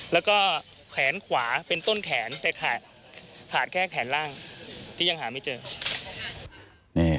แล้วก็แขนขวาเป็นต้นแขนแต่ขาดขาดแค่แขนล่างที่ยังหาไม่เจอครับ